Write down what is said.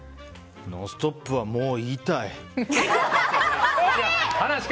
「ノンストップ！」はもういいたい。